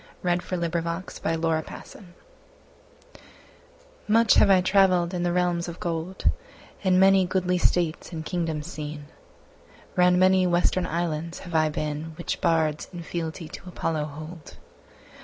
1884. 24. On first looking into Chapman's Homer MUCH have I travell'd in the realms of gold, And many goodly states and kingdoms seen; Round many western islands have I beenWhich bards in fealty to Apollo hold.